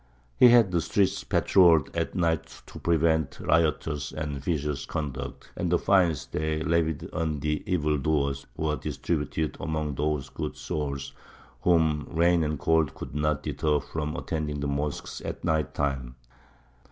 He had the streets patrolled at night to prevent riotous and vicious conduct; and the fines they levied on the evildoers were distributed among those good souls whom rain and cold could not deter from attending the mosques at night time.